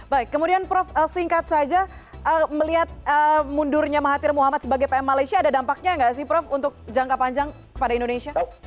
baik kemudian prof singkat saja melihat mundurnya mahathir muhammad sebagai pm malaysia ada dampaknya nggak sih prof untuk jangka panjang pada indonesia